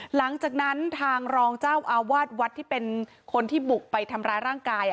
หลังจากนั้นทางรองเจ้าอาวาสวัดที่เป็นคนที่บุกไปทำร้ายร่างกาย